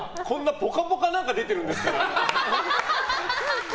「ぽかぽか」なんか出てるんですから、あなた。